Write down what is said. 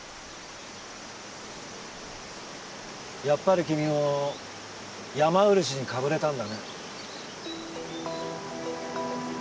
やっぱり君もヤマウルシにかぶれたんだね？